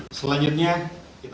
kita akan berlangganan untuk sesi